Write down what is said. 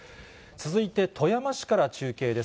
続いて、富山市から中継です。